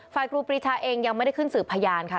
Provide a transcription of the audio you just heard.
ครูปรีชาเองยังไม่ได้ขึ้นสืบพยานค่ะ